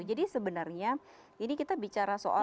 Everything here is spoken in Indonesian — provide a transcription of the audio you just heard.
jadi sebenarnya ini kita bicara soal